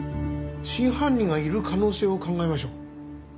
真犯人がいる可能性を考えましょう。